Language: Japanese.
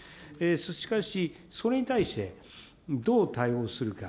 しかし、それに対してどう対応するか。